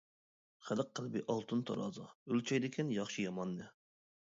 خەلق قەلبى ئالتۇن تارازا، ئۆلچەيدىكەن ياخشى-ياماننى.